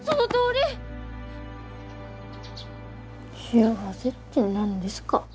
幸せって何ですか？